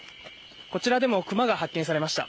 こちらでも熊が発見されました。